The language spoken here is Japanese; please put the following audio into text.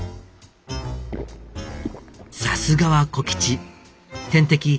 さすがは小吉天敵